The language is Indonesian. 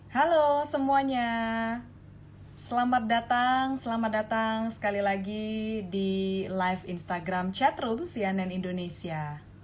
halo semuanya selamat datang selamat datang sekali lagi di live instagram chatroom cnn indonesia